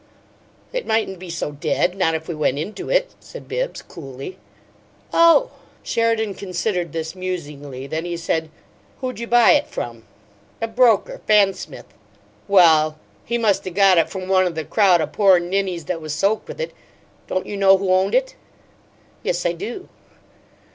"It mightn't be so dead not if we went into it," said Bibbs, coolly. "Oh!" Sheridan considered this musingly; then he said, "Who'd you buy it from?" "A broker Fansmith." "Well, he must 'a' got it from one o' the crowd o' poor ninnies that was soaked with it. Don't you know who owned it?" "Yes, I do."